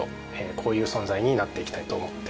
こういう存在になっていきたいと思っております。